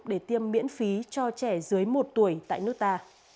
để tiêm miễn phí cho trẻ dưới một tuổi tại nước ta